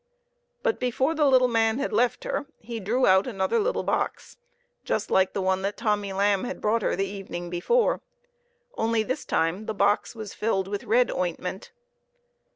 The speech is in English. But before the little man had left her he drew out an other little box just like the one that Tommy Lamb had brought her the evening before, only this time the box was filled with red ointment.